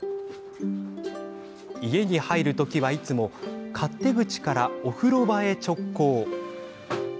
家に入る時は、いつも勝手口からお風呂場へ直行。